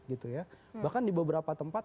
gitu ya bahkan di beberapa tempat